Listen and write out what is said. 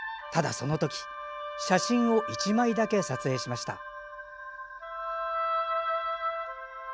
ただそのとき写真を１枚だけ撮影しました。